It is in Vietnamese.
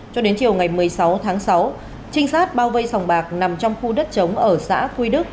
cho đến chiều ngày một mươi sáu tháng sáu trinh sát bao vây sòng bạc nằm trong khu đất chống ở xã quy đức